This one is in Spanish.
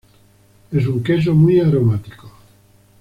Es un queso muy aromático.